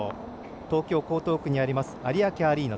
東京・江東区にある有明アリーナ。